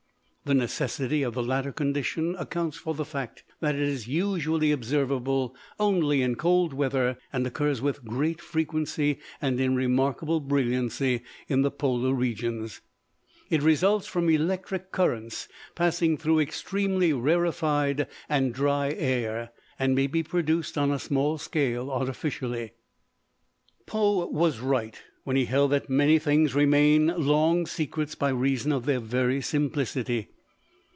The necessity of the latter condition accounts for the fact that it is usually observable only in cold weather and occurs with great frequency and in remarkable brilliancy in the polar regions. It results from electric currents passing through extremely rarefied and dry air, and may be produced on a small scale artificially. Poe was right when he held that many things remain long secrets by reason of their very simplicity.